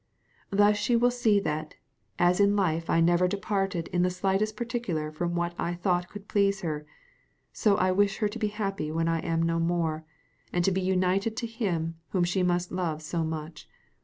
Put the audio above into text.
Thus she will see that, as in life I never departed in the slightest particular from what I thought could please her, so I wish her to be happy when I am no more, and to be united to him whom she must love so much.